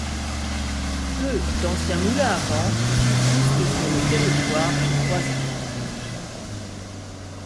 Peu d'anciens moulins à vent subsistent sur le territoire du Croisic.